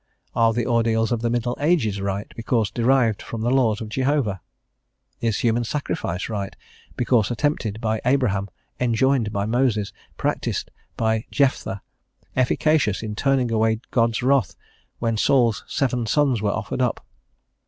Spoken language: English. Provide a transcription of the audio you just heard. Are the ordeals of the Middle Ages right, because derived from the laws of Jehovah? Is human sacrifice right, because attempted by Abraham, enjoined by Moses, practised by Jephthah, efficacious in turning away God's wrath when Saul's seven sons were offered up?